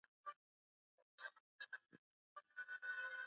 inatoa changamoto mpya katika nchi hizi za afrika